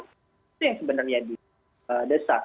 itu yang sebenarnya di desak